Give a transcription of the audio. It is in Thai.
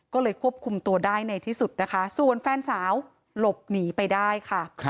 ก็เลยควบคุมตัวได้ในที่สุดนะคะส่วนแฟนสาวหลบหนีไปได้ค่ะ